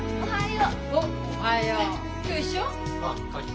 おはよう。